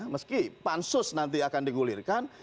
meski pansus nanti akan digulirkan